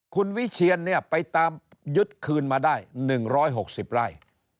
คุณวิเชียนเนี่ยไปตามยึดคืนมาได้๑๖๐ไร่